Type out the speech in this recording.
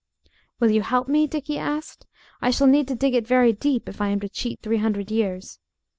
"Will you help me?" Dickie asked. "I shall need to dig it very deep if I am to cheat three hundred years.